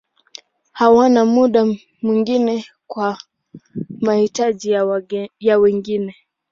Hawana muda mwingi kwa mahitaji ya wengine.